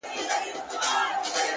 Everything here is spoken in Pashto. باور د بریا لومړنی قدم دی،